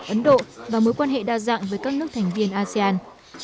ấn độ và mối quan hệ đa dạng với các nước thành viên asean